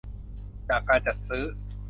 จากการจัดซื้อ